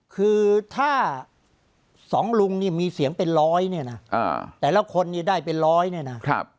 คือถ้าสองลุงนี่มีเสียงเป็นร้อยเนี่ยนะแต่ละคนเนี่ยได้เป็นร้อยเนี่ยนะ